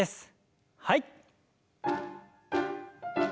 はい。